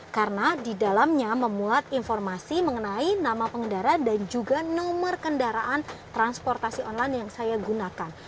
karena di dalamnya memuat informasi mengenai nama pengendara dan juga nomor kendaraan transportasi online yang saya gunakan